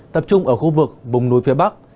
tập trung ở khu vực bùng núi phía bắc